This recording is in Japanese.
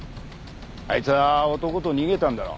あいつは男と逃げたんだろ。